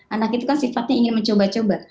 anak itu kan sifatnya ingin mencoba coba